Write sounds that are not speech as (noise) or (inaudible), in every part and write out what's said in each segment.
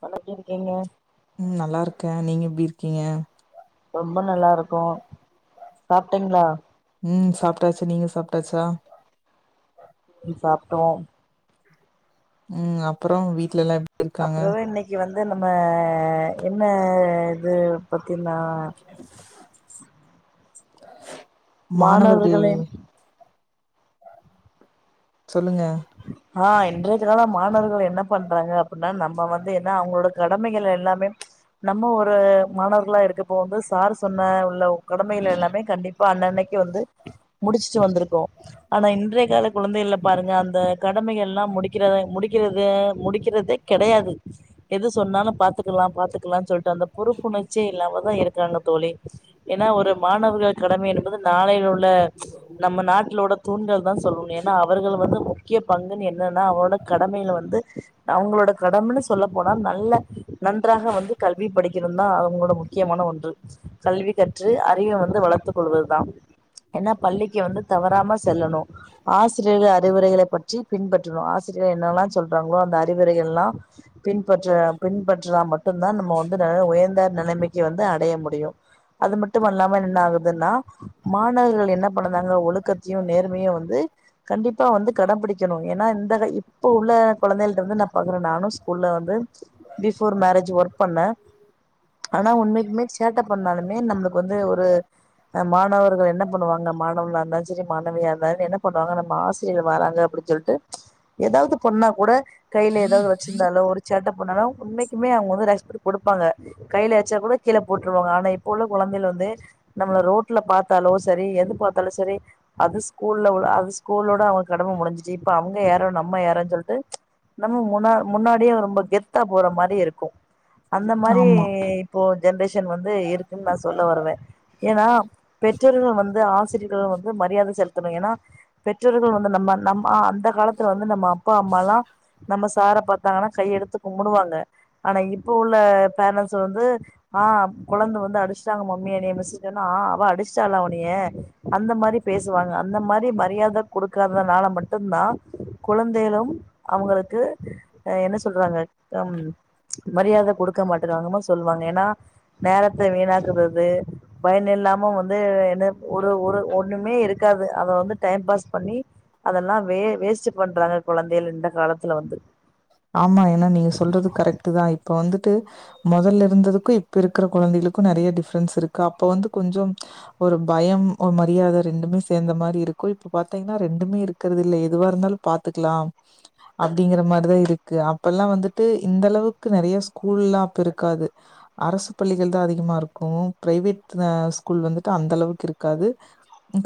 Hello எப்டி இருக்கீங்க ஆ நீங்க எப்டி இருக்கீங்க ரொம்ப நல்லா இருக்கோ சாப்ட்டீங்களா ம் சாப்டாச்சு நீங்க சாப்டாச்சா ம் சாப்ட்டோ ம் அப்புறொ வீட்லெல்லா எப் அப்றொ இன்னக்கி வந்து நம்ம என்ன இது தின்னா (inaudible) மாணவர்கள் மாணவர்களின் சொல்லுங்க ஆ இன்றைகென்னனா மாணவர்கள் என்ன பண்றாங்க அப்புட்னா நம்ம வந்து என்ன அவுங்களோட கடமைகள் எல்லாமே நம்ம ஒரு மாணவர்களா இருக்கப்போ வந்து சார் சொன்ன உள்ள கடமயில் எல்லாமே கண்டிப் பா அன்னன்னக்கி வந்து முடுச்ட்டு வந்துருப் போ ஆனா இன்றைய கால குழந்தைகள்ல பாருங்க அந்த கடமைகல்லா முடிக்கிறத முடிக்கிறத முடிக் கிறதே கெடையாது எது சொன்னாலு பாத்துக்கலா பாத்துக்கலான் சொல்லிட்டு அந்த பொறுப்புணர்ச்சியே இல்லாமதா இருக்காங்க தோழி என்னா ஒரு மாணவர்கள் கடமை என்பது நாளை உள்ள நம்ம நாட்லோட தூண்கள் தா சொல்லணு ஏன்னா அவர்கள் வந்து மு க்கிய பங்குன் என்னனா அவனோட கடமையில வந்து அவுங்களோட கடமன்னு சொல்ல போனா நல்லா நன்றாக வந்து கல்வி படிக்கணுன் தா அவுங்களோட முக்கியமான ஒன்று கல்வி கற்று அறிவ வந்து வளர்த்துக் கொள்வதுதா என்னா பள்ளிக்கு வந்து தவறாம செல்லணு ஆசிரியர்கள் அறிவுரைகளை பற்றி பின்பற்றணு ஆசிரியர்கள் என்னெல்லா சொல்றாங்களோ அந்த அறிவுரைகள்லா பின்பற்ற பின்பற்றுனா மட்டுந்தா நம்ம வந்து நல்ல உயர்ந்த நெலமைக்கு வந்து அடைய முடியு அது மட்டுமல்லாம என்னென்ன ஆகுதுன்னா மாணவர்கள் என்ன பண்ண னாங்க ஒழுக்கத்தியு நேர்மையு வந்து கண்டிப்பா வந்து கடபிடிக்கனு ஏன்னா இந்தக இப்ப உள்ள கொழந்தகள்ட வந்து நா பாக்குற நானு ஸகூல்ல வந்து பிஃபோர் மேரஜு ஒர்க் பண்ண ஆனா உண்மைக்குமே சேட்ட பண்ணாலுமே நம்ளுக்கு வந்து ஒரு மாணவர்கள் என்ன பண்ணுவாங்க மாணவர்களாந்தா செரி மாணவியா இருந்தாலு என்னு பண்ணுவாங்க நம்ம ஆசிரியர்கள் வராங்க அப்புடி சொல்ட்டு எதாவ்து பண்ணா கூட கைல எதாவ்து வச்சுந்தாலொ ஒருச்சடப் பண்ணாலு உண்மைக்குமே அவுங்க வந்து ரெஸ்பெக்டு குடுப்பாங்க கைலெ வச்சா கூட கீழ போட்ருவாங்க ஆனா இப்ப உள்ள கொழந்தைள் வந்து நம்ள ரோட்ல பாத்தாலோ சரி எது பாத்தாலு சரி அது ஸ்கூல்ல உள் அது ஸ்கூலோட அவ சொல்ட்டு நம்ம முன்னா முன்னாடியே ரொம்ப கெத்தா போற மாரி இருக்கு அந்த மாரி ஆமா இப்போ ஜென்ரேஷன் வந்து இருக்குன் நா சொல்ல வருவே ஏனா பெற்றோர்கள் வந்து ஆசிரியர்கள் வந்து மரியாத செலுத்தணு ஏன்னா பெற்றோர்கள் வ ந்த நம்ம நம்மா அந்த காலத்துல வந்து நம்ம அப்பா அம்மால்லா நம்ம சார பாத்தாங்கனா கையெடுத்து கும்புடுவாங்க ஆனா இப்ப உள்ள பேரன்ட்ஸ் வந்து ஆ கொழந்த வந்து அடுச்ட்டாங்க மம்மி எனய மிஸ்ஸுன் சொன்னா அவ அடுச்ட்டாளா ஒன்னய அந்த மாரி பேசுவாங்க அந்த மாரி மரியாத குடு க்காதனால மட்டுந்தா குழந்தைளும் அவுங்களுக்கு என்ன சொல்றாங்க அம் மரியாத குடுக்க மாட்டிறாங்கனு சொல்வாங்க எனா நேரத்த வீணாக்குறது பயனில்லாம வந்து என்ன ஒரு ஒரு ஒன்னுமே இருக்காது அத வந்து டைம் பாஸ் பண்ணி அதெல்லா வே வேஸ்ட்டு பண்றாங்க கொழந்தைல இந்த காலத்துல வந்து ஆமா ஏனா நீங்க சொல்றது கரெக்ட்டு தா இப்ப வந்துட்டு மொதல்ல இருந்ததுக்கு இப்ப இருக்குற கொழந்தைகளுக்கு நெறைய டிஃப்ரென்ஸ் இருக்கு அப்ப வந்து கொஞ்சம் ஒரு பயம் ஒரு மரியாத ரெண்டுமே சேந்த மாரி இருக்கு இப்ப பாத்தீங்னா ரெண்டுமே இருக்குறதில்ல எதுவா இருந்தாலு பாத்துக்லாம் அப்டிங்கிற மாரிதா இரு ருக்கு அப்பல்லா வந்துட்டு இந்தளவுக்கு நெறைய ஸ்கூல்லா அப்பருக்காது அரசு பள்ளிகள் தா அதிகமா இருக்கு பிரைவேட் ர ஸ்கூல் வந்துட்டு அந்த அளவுக்கு இருக்காது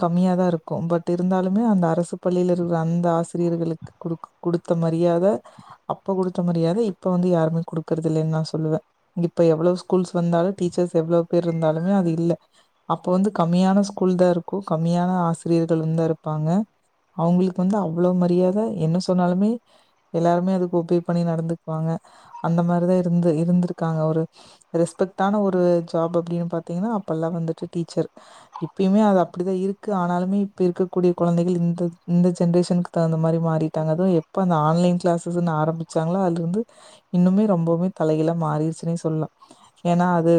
கம்மியாதா இருக்கு பட் இருந்தாலுமே அந்த அரசு பள்ளில இருக்ற அந்த ஆசிரியர்களுக்கு குடுக் குடுத்த மரியாத அப்ப குடுத்த மரியா இப்ப வந்து யாருமே குடுக்குறதில்லைன் நா சொல்லுவே இப்ப எவ்வளொ ஸ்கூல்ஸ் வந்தாலு டீச்சர்ஸ் எவ்ளோ பேர்ருந்தாலுமே அது இல்ல அப்ப வந்து கம்மியான ஸ்கூல் தா இருக்கு கம்மியான ஆசிரியர்களுந்தா இருப்பாங்க அவுங்களுக்கு வந்து அவ்ளொ மரியாத என்ன சொன்னாலுமே எல்லாருமே அது ஒபே பண்ணி நடந்துக்வாங்க அந்த மாரிதா இருந்து இருந்துருக்காங்க ஒரு ரெஸ்பெக்டான ஒரு ஜாப் அப்டினு பாத்தீங்கனா அப்பல்லா வந்துட்டு டீச்சர் இப்பயுமே அது அப்டிதா இருக்கு ஆனாலுமே இப்ப இருக்கக்கூடிய கொழந்தைகள் இந்த இந்த ஜென்ரேஷனுக்கு தகுந்த மாரி மாறிட்டாங்க அது எப்ப ஆன்லைன் க்ளாஸஸுன் ஆரம் ஆரம்பிசாங்களோ அலிருந்து இன்னுமே ரொம்பவுமே தலைகீழா மாரிருச்சுனே சொல்லா ஏனா அது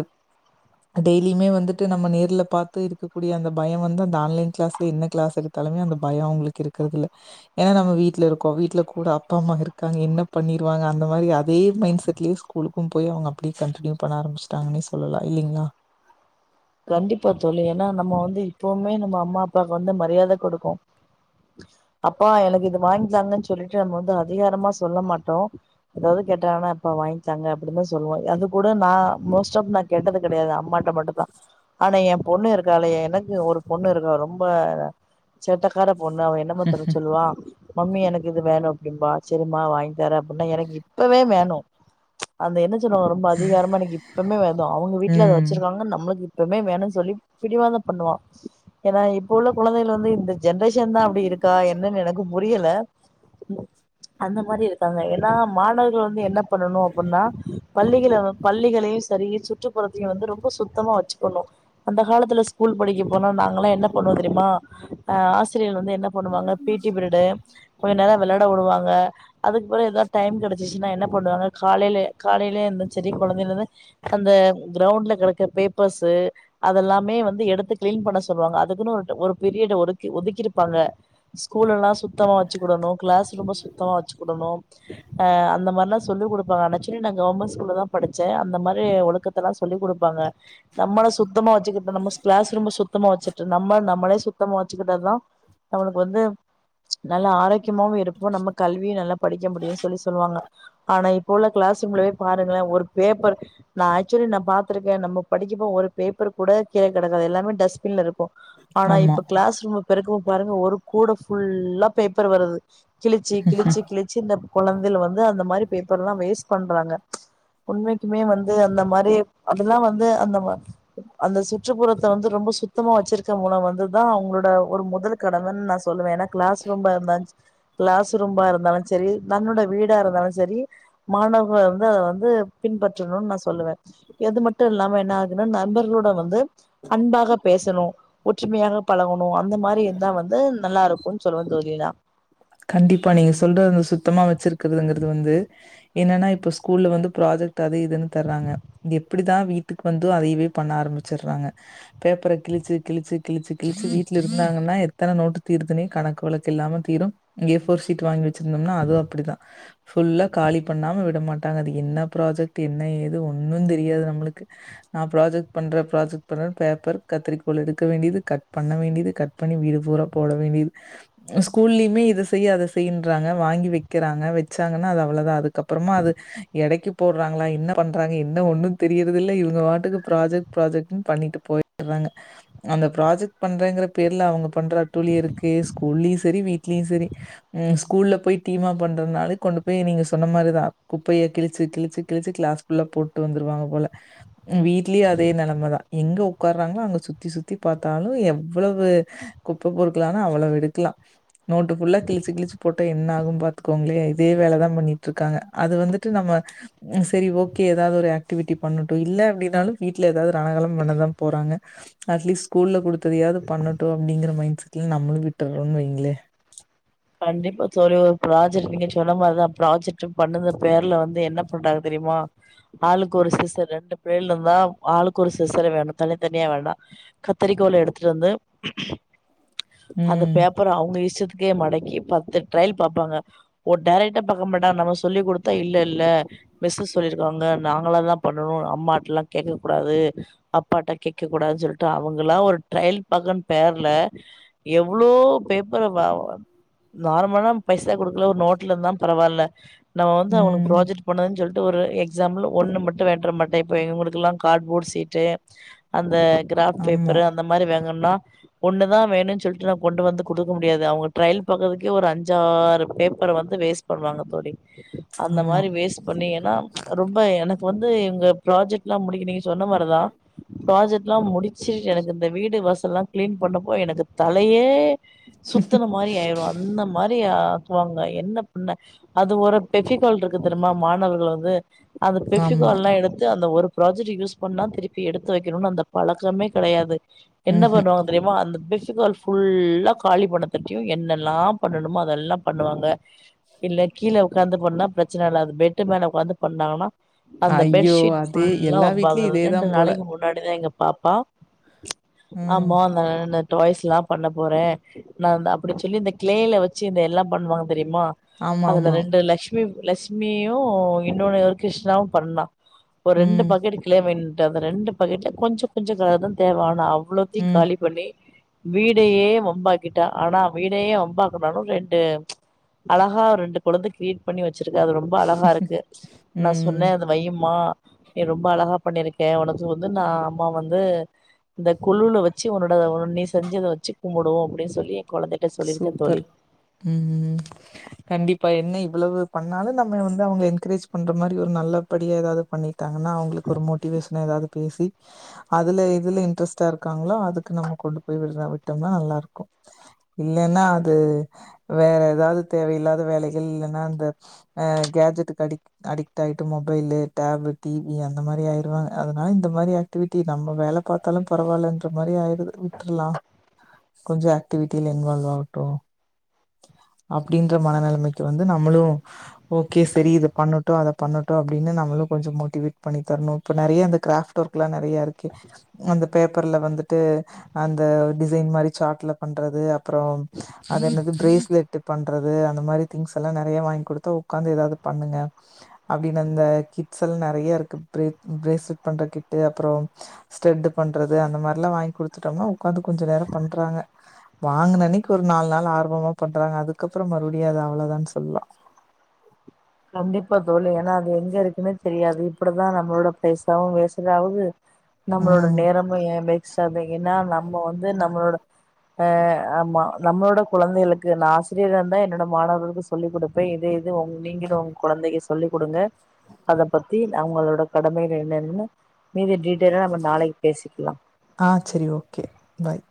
டெய்லியுமே வந்துட்டு நம்ம நேர்ல பாத்து இருக்கக்கூடிய அந்த பயம் வந்து அந்த ஆன்லைன் க்ளாஸ்ல என்ன கிளாஸ் எடுத்தாலுமே அந்த பயம் அவங்களுக்கு இருக்கறதுல்ல ஏனா நம்ம வீட்ல இருக்கோம் வீட்டுல கூட அப்பா அம்மா இருக்காங்க என்ன பண்ணிருவாங்க அந்த மாரி அதே மைண்ட் செட்லயே ஸ்கூலுக்கும் போய் அவங்க அப்டியே கண்டினியூ பண்ண ஆரம்பிச்சிட்டாங்கனே சொல்லலா இல்லிங்ளா கண்டிப்பா தோழி ஏனா நம்ம வந்து இப்பவுமே நம்ம அம்மா அப்பாக்கு வந்து மரியாத கொடுக்கும் அப்பா எனக்கு இது வாங்கித்தாங்கன் சொல்லிட்டு நம்ம வந்து அதிகாரமா சொல்ல மாட்டோம் எதாவது கேட்டாங்னா எப்பா வாங்கித்தாங்க அப்படின்னதான் சொல்லுவோம் அது கூட நா மோஸ்ட் ஆஃப் நா கேட்டது கெடையாது அம்மாட்ட மட்டு தா என் பொண்ணு இருக்க எனக்கு ஒரு பொண்ணு இருக்கா ரொம்ப சேட்டக்கார பொண்ணு அவ என்னமாத்தனு சொல்லுவா மம்மி எனக்கு இது வேணும் அப்டிம்பா சேரிமா வாங்கி தரே அப்புன்னா எனக்கு இப்பவே வேணு அந்த என்ன (unintelligible) ரொம்ப அதிகாரமா எனக்கு இப்பமே வேதம் அவங்க வீட்டுல அத ம். வச்சிருக்காங்க நம்மளுக்கு எப்பவுமே வேணுனு சொல்லி பிடிவாத பண்ணுவா ஏனா இப்போ உள்ள கொழந்தைகள் வந்து இந்த ஜென்ரேஷன் தான் அப்படி இருக்கா என்னன்னு எனக்கு முரியல அந்த மாரி இருக்காங்க ஏன்னா மாணவர்கள் வந்து என்ன பண்ணணு அப்படின்னா பள்ளிகளை பள்ளிகளையும் சேரி சுற்றுப்புறத்தையும் வந்து ரொம்ப சுத்தமா வச்சு க்கணு அந்த காலத்துல ஸ்கூல் படிக்க போனா நாங்கல்லா என்ன பண்ணுவோ தெரியுமா ஆ ஆசிரியர் வந்து என்ன பண்ணுவாங்க பீ ட்டி பிரிடு கொஞ்ச நேர விளையாட் விடுவாங்க அதுக்குப்புறம் ஏதோது டைம் கிடைச்சிச்சுனா என்ன பண்ணுவாங்க காலையில காலையில இருந்த சேரி கொழந்தையிலந்து அந்த கிரௌண்ட்ல கிடக்க பேப் பர்ஸ் அது எல்லாமே வந்து எடுத்து கிளீன் பண்ண சொல்லுவாங்க அதுக்குன்னு ஒரு ஒரு பீரியட ஒதுக்கி ஒதுக்கிருப்பாங்க ஸ்கூல்ல எல்லாம் சுத்தமா வச்சுடணும் கிளாஸ் ரூம்ப சுத்தமா வச்சுடணும் அ அந்த மாரில்லாம் சொல்லி குடுப்பாங்க ஆனாச்சன்னி நாங்க கவர்மெண்ட் ஸ்கூல்லதான் படிச்சேன் அந்த மாரி ஒழுக்கத்த எல்லாம் சொல்லிக் கொடுப்பாங்க நம்மள சுத் சுத்தமா வச்சுக்கி நம்ம கிளாஸ் ரூம சுத்தமா வச்சுட்டு நம்ம நம்மளே சுத்தமா வச்சுக்கிட்ட தான் நம்மளுக்கு வந்து நல்ல ஆரோக்கியமாவும் இருப்போம் நம்ம கல்வியும் நல்லா படிக்க முடியும்னு சொல்லி சொல்லுவாங்க ஆனா இப்போ உள்ள கிளாஸ் ரூம்லவே பாருங்களேன் ஒரு பேப்பர் நா ஆக்சுவலி நா பா்த்திருக்கேன் நம்ம படிக்கப்போ ஒரு பேப்பர் கூட கீழே கெடக்காது எல்லாமே டஸ்பின்ல இருக்கு ஆனா ஆமா. இப்ப கிளாஸ் ரூம பெருக்குவோ பாருங்க ஒரு கூட ஃபுல்லா பேப்பர் வருது கிழிச்சி கிழச்சி கிழிச்சி இந்த கொழந்தள் வந்து அந்த மாரி பேப்பர்லாம் வேஸ்ட் பண்றாங்க உண்மைக்குமே வந்து அந்த மாரி அதெலா வந் து அந்த மாரி அந்த சுற்றுப்புறத்த வந்து ரொம்ப சுத்தமா வச்சிருக்க மூலம் வந்துதான் அவங்களோட ஒரு முதல் கடமன்னு நா சொல்லுவே ஏன்னா கிளாஸ் ரூம்ப இருந்தாச்சு கிளாஸ் ரூம்பா இருந்தாலும் சேரி தன்னோட வீடா இருந்தாலு சேரி மாணவர்கள் வந்து அத வந்து பின்பற்றணும்னு நா சொல்லுவேன் எது மட் டும் இல்லாம என்னகு நண்பர்களோட வந்து அன்பாக பேசணும் ஒற்றுமையாக பழகணு அந்த மாரி இருந்த வந்து நல்லா இருக்கும்னு சொல்லுவ தோழி நா கண்டிப்பா நீங்க சொல்றது வந்து சுத்தமா வச்சிருக்குதுங்குறது வந்து என்னன்னா இப்ப ஸ்கூல்ல வந்து ப்ராஜெக்ட் து அது இதுன்னு தராங்க எப்படி தான் வீட்டுக்கு வந்து அதையவே பண்ண ஆரம்பிச்சடுறாங்க பேப்பர கிழிச்சு கிழிச்சு கிழச்சு கிழிச்சு வீட்டுல இருந்தாங்கன்னா எத்தன நோட்டு தீர்துனே கணக்கு வழக்கு இல்லாம தீரும் இங் ஏ போர் சீட் வாங்கி வச் வச்சிருந்தோம்னா அதுவு அப்டிதா ஃபுல்லா காலி பண்ணாம விட மாட்டாங்க அது என்ன ப்ராஜெக்ட் என்ன ஏது ஒன்னு தெரியாது நம்மளுக்கு நா ப்ராஜெக்ட் பண்ற ப்ராஜெக்ட் பண்றேன்னு பேப்பர் கத்திரிக்கோல் எடுக்க வேண்டியது கட் பண்ண வேண்டியது கட் பண்ணி வீடு பூரா போட வேண்டியது ஸ்கூல்லியுமே இது ஸ் செய் அத‌ செய்யின்றாங்க வாங்கி வக்கிறாங்க வச்சாங்கன்னா அது அவ்வளதா அதுக்கப்பறமா அது எடைக்கு போட்றாங்களா என்ன பண்றாங்க என்ன ஒன்னு தெரியிறதுல்ல இவங்க பாட்டுக்கு ப்ராஜெக்ட் ப்ராஜெக்ட பண்ணிட்டு போயிற்றாங்க அந்த ப்ராஜெக்ட் பண்றங்கிற பேருல அவங்க பண்ற அட்டூலியொ இருக்கே ஸ்கூல்லயு சரி வீட்லயு சரி ம் ஸ்கூல்ல போய் டீமா பண்றதுனால கொண்டு போய் நீங்க சொன்ன மாதிரிதா குப்பைய கிலிச்சு கிலிச்சு கிலிச்சு கிளாஸ் புஃல்லா போட்டு வந்துருவாங்க போல ம் வீட்லயே அதே நெலமதா எங்க உக்காற்றாங்களோ அங்க சுத்தி சுத்தி பாத்தாலு எவ்வளவு குப்ப பொருக்கலானா அவ்வளவு எடுக்கலா நோட்டு ஃபுல்லா கிலிச்சு கிழிச்சி போட்டா என்ன ஆகு பாத்துக்கோங்களே இதே வேலதா பண்ணிட்ருக்காங்க அத வந்துட்டு நம்ம சரி ஓகே ஏதாவது ஒரு ஆக்டிவிட்டி பண்ணட்டு இல்ல அப்டின்னாலு வீட்ல ஏதாவது ரனகலொ பண்ணதா போறாங்க அட்லீஸ்ட் ஸ்கூல்ல குடுத்ததையாவது பண்ணட்டு அப்டிங்கிற மைண்ட் செட்ல நம்மளு விட்டுறோன்னு வைங்ளே கண்டிப்பா தோலி ஒரு ப்ராஜெக்ட் நீங்க சொன்ன மாரிதா ப்ராஜெக்ட்டு பண்ணுத பேர்ல வந்து என்ன பண்றாங்க தெரியுமா ஆளுக்கு ஒரு சிசர் ரெண்டு பிள்ளைலு வா ஆளுக்கு ஒரு சிசரு வேணு தனித்தனியா வேண்டா கத்தரிக்கோல் எடுத்துட்டு வந்து அந்த ம். பேப்பர அவுங்க இஷ்ட்டத்துக் கே மடைக் க்கி பத்து ட்ரைல் பாப்பாங்க ஒரு டைரக்டா பாக்க மாட்டாங்க நம்ம சொல்லிக் குடுத்தா இல்ல இல்ல மிஸ்ஸு சொல்லிருக்காங்க நாங்களா தா பண்ணனு அம்மாட்டல்லா கேக்கக் கூடாது அப்பாட்ட கேக்கக் கூடாதுன்னு சொல்ட்டு அவங்கலா ஒரு ட்ரையல் பாக்கோன்னு பேர்ல எவ்ளோ பேப்பர வாங் நார்மலா பைசா குடுக்கல ஒரு நோட்ல இருந்தா பரவால்ல நான்தா அவங்களுக் ம். ப்ராஜக்ட் பண்னுவேன் சொல் ஒரு எக்ஸாம்பிள் ஒண்ணு மட்டு வேண்டர மாட்டே இப்ப இவுங்களுக்குல்லா காட்போட் சீட்டு அந்த கிராஃப் ஆமா, பேப்பரு அந்த மாரி வேங்க ன்னா ஒண்ணு தா வேணுன் சொல்ட்டு நா கொண்டு வந்து குடுக்க முடியாது அவுங்க ட்ரைல் பாக்கற்துக்கே ஒரு அஞ்சாறு பேப் அப்புறொ வந்து வேஸ்ட் பண்ணுவாங்க தோலி அந்த ஆமா, மாரி வேஸ்ட் பண்ணி ஏன்னா ரொம்ப எனக் வந்து இங்க ப்ராஜெக்ட்லா முடிக்க நீங்க சொன்ன மாரிதா ப்ராஜெக்ட்லா முடிக் சே எனக்கு இந்த வீடு வச தெல்லா கிளீன் பண்ணப்போ எனக்கு தலையே சுத்துன மாரி ஆயிரு ந்த மாரி ஆக்குவாங்க என்ன பண்ண அது ஒரு பெக்கிகால்ருக்கு தெரிமா மாணவர்கள வந்து அந்த ஆமா. பெஃபிகாள்ளா எடுத்து அந்த ஒரு ப்ராஜெக்டுக்கு யூஸ் பண்ணா திருப்பி எடுத்து வக்கணுன்னு அந்த பழக்கமே கெடையாது என்ன ம்ஹ்ம். பண்ணுவாங்க தெரியுமா அந்த பெஷ் ஃபெவிகால் ஃபுல்லா காலி பண்ணதுட்டியு என்னன் ல்லா பண்ணணுமோ அதெல்லா பண்ணுவாங்க இல்ல கீல உக்காந்து பண்ணா பிரச்சன இல்ல அது பெட்டு மேல உக்‍காந்து பண்ணாங்கனா அந்த ஐயோ! பெட்ஷீட் அதே ஃபுல்லா எல்லா வீட்லயும் வம்பாகறது இதே ரெண்டு தான் போல. நாளைக்கு முன்னாடிதா எங்கப் பாப்பா ம். ஆமா ந நட் டாய்ஸ்லா பண்ண போறே நான்தா அப்படி சொல்லி இந்தக் கிளேல வச்சு இந்த எல்லா பண்ணுவாங்க தெரியுமா அதுல ஆமாமா. ரெண்டு லஷ்மி லக்ஷ்மியு இன்னொன்னு இருக்கு கிருஷ்ணாவு பண்ணா ஒரு ரெண்டு ம், பக்கெட்டு கிலோ மின் ட்டு அது ரெண்டு பாக்கெட்லயு கொஞ்சொ கொஞ்சொ தா தேவ ஆனா அவ் வ்ளோத்தையு ம். காலி பண்ணி வீடையே வம்பாக்கிட்டா ஆனா வீடையே வம் (unintelligible) அலகா ரெண்டு கொலந்தக் கிரீயேட் பண்ணி வச் வச்சிருக்கேன் அது ரொம்ப அழகா இருக்கு நா ம். சொன்னேன் அது வையுமா நீ ரொம்ப அழகா பண்ணிருக்க உனக்கு வந்து நா அம்மா வந்து இந்த கொலுல வச்சு உன்னோட நீ செஞ்சதை வச்சு கும்பிடுவோம் அப்டின்னு சொல்லி கொழந்தைட்ட சொல்லிரு சூப்பர். ம் கண்டிப்பா என்ன இவ்ளோ பண்ணாலும் நம்ம வந்து அவங்கள என்கரேஜ் பண்ற மாரி ஒரு நல்லபடியா ஏதாது பண்ணி வந்தாகன்னா அவங்களுக்கு ஒரு மோட்டிவேஷனா ஏதாது பேசி அதுல எதுல இன்ட்ரெஸ்ட்டா இருக்காங்களோ அதுக்கு நம்ம கொண்டு போய் விடுற விட்டோம்னா நல்லா இருக்கும் இல்லைன்னா அது வேற ஏதாது தேவையில்லாத வேலைகள் இல்லைன்னா அந்த அ கேஜெட்டுக்கு அடிக அடிக்ட் ஆயிட்டு மொபைல் டேப் டிவி அந்த மாரி ஆயிருவாங்க அதனால இந்த மாரி ஆக்டிவிட்டி நம்ம வேலை பாத்தாலும் பரவாயில்லன்ற மாரி ஆயிடுது விட்டுரலா கொஞ்ச ஆக்டிவிட் டில இன்வால்வ் ஆகட்டும் அப்டின்ற மனநிலைமைக்கு வந்து நம்மளும் ஓகே செரி இத பண்ணட்டும் அத பண்ணட்டும் அப்டின்னு நமளும் கொஞ்சம் மோட்டிவேட் பண்ணி தரணும் இப்ப நெறைய க்ராஃப்ட் ஒர்க் எல்லா நெறைய இருக்கு அந்த பேப்பர்ல வந்துட்டு அந்த டிசைன் மாரி சார்ட்ல பண் றது அப்றோ அது என்னது பிரேஸ்லெட் பண்றது அந்த மாரி திங்ஸ் எல்லா நிறைய வாங்கி குடுத்தா உக்காந்து ஏதாது பண்ணுங்க அப்டின்னு அந்த கிட்ஸ் எல்லா நிறைய இருக்கு பி பிரேஸ்லெட் பண்ற கிட்டு அப்றோம் ஸ்டட் பண்றது அந்த மாரி எல்லா வாங்கி குடுத்துட்டோம்னா உக்காந்து கொஞ்ச நேரம் பண்றாங்க வாங்கின அன்னைக்கு ஒரு நாலு நாள் ஆர்வமா பண்றாங்க அதுக்கப்றோ மறுபடியும் அது அவ்ளோ தா சொல்லாம் கண்டிப்பா தோழி ஏன்னா அது எங்க இரு க்குமே தெரியாது இப்டி தா நம்மளோட பைசாவும் வேஸ்ட் ஆவுது நம்மளோட ம் நேரமோ என் (unintelligible) (unintelligible) நம்ம வந்து நம்மளோட ஆ ஆமா நம்மளோட கொழந்தைகளுக்கு நா ஆசிரியரா இருந்தா என்னோட மாணவர்களுக்கு சொல்லிக் குடுப்பேன் இத இது உங்க நீங்க அப்றோ உங்க குழந்தைக்கு சொல்லி் குடுங்க அத பத்தி அவங்களோட கடமைகள் என்னென்னு மீதி டீட்டயிலா நம்ம நாளைக்கு பேசிக்கலாம் ஆ சரி ஓகே பாய்